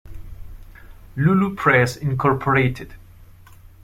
Lulu Press Inc.